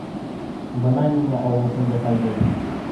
Бына ниңә ауыл шундай хәлдә икән.